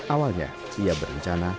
awalnya ia berencana